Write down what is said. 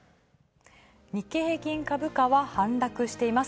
日経平均株価は反落しています。